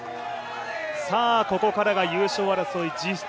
ここからが優勝争い、実質